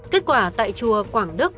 kết quả tại chùa quảng đức